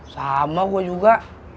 sama gua juga